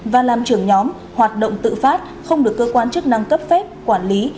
và làm trưởng nhóm hoạt động tự phát không được cơ quan chức năng cấp phép quản lý